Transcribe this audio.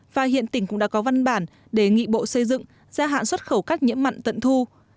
và hiện tỉnh cũng đã có văn bản đề nghị bộ xây dựng gia hạn xuất khẩu các nhiễm mặn tận thu